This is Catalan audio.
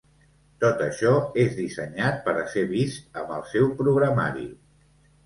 Tot això és dissenyat per a ser vist amb el seu programari.